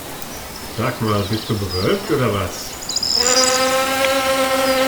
Sag mal, bist du bewölkt oder was?